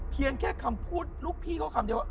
เพียงแค่คำพูดลูกพี่เขาคำเดียวว่า